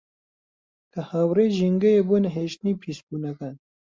کە هاوڕێی ژینگەیە بۆ نەهێشتنی پیسبوونەکان